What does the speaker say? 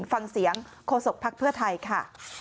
ฟังเสียงโฆษกภักดิ์เพื่อไทยค่ะ